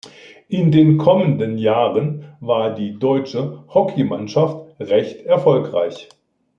In den kommenden Jahren war die deutsche Hockeymannschaft recht erfolgreich.